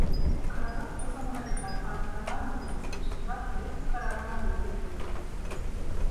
Araba, o zamana kadar farkına varmadığımız bir süratle bu karanlığa doğru gidiyordu.